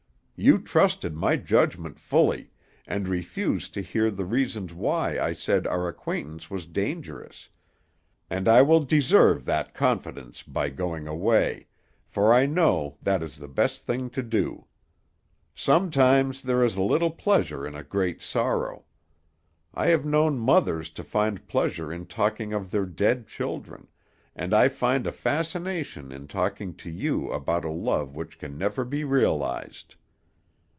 You trusted my judgment fully, and refused to hear the reasons why I said our acquaintance was dangerous; and I will deserve that confidence by going away, for I know that is the best thing to do. Sometimes there is a little pleasure in a great sorrow. I have known mothers to find pleasure in talking of their dead children, and I find a fascination in talking to you about a love which can never be realized.